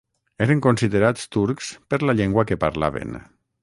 Eren considerats turcs per la llengua que parlaven.